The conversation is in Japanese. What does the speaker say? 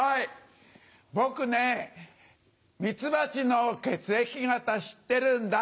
僕ねミツバチの血液型知ってるんだ。